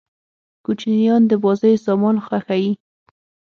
کوچنيان د بازيو سامان خوښيي.